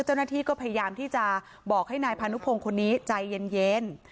เจ้าหน้าที่ก็พยายามที่จะบอกให้นายพานุพงศ์คนนี้ใจเย็น